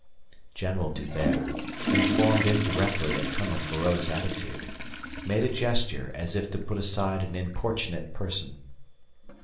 General D'Hubert, informed indirectly of Colonel Feraud's attitude, made a gesture as if to put aside an importunate person.